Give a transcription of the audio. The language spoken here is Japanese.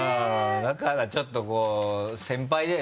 だからちょっとこう先輩で。